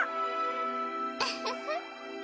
ウフフッ！